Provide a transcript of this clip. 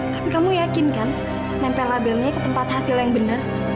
tapi kamu yakin kan nempel labelnya ke tempat hasil yang bener